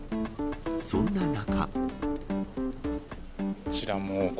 そんな中。